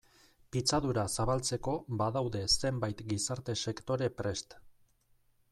Pitzadura zabaltzeko badaude zenbait gizarte sektore prest.